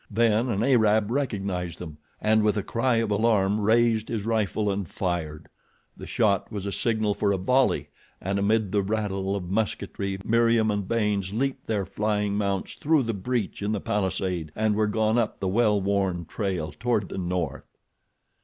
Then an Arab recognized them, and, with a cry of alarm, raised his rifle and fired. The shot was a signal for a volley, and amid the rattle of musketry Meriem and Baynes leaped their flying mounts through the breach in the palisade and were gone up the well worn trail toward the north.